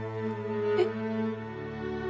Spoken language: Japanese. えっ。